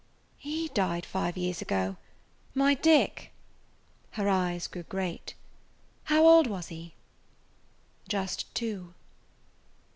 "He died five years ago, my Dick." [Page 156] Her eyes grew great. "How old was he?" "Just two."